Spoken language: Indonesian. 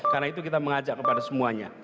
karena itu kita mengajak kepada semuanya